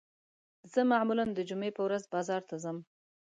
زه معمولاً د جمعې په ورځ بازار ته ځم